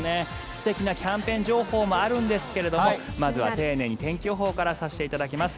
素敵なキャンペーン情報もあるんですけれどもまずは丁寧に天気予報からさせていただきます。